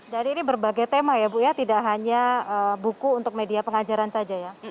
jadi ini berbagai tema ya bu ya tidak hanya buku untuk media pengajaran saja ya